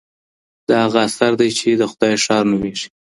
دا هغه اثر دی چي د خدای ښار نومېږي.